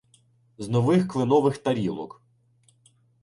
З нових кленових тарілок: